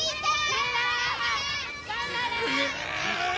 頑張れ！